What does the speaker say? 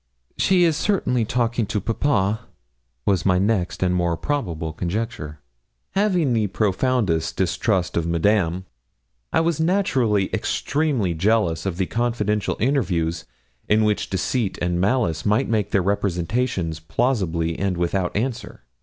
'She is certainly talking to papa,' was my next and more probable conjecture. Having the profoundest distrust of Madame, I was naturally extremely jealous of the confidential interviews in which deceit and malice might make their representations plausibly and without answer.